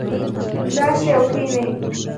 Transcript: راشئ او کښېنئ